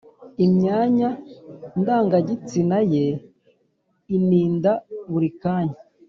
imyanya ndangagitsina ye ininda buri kanya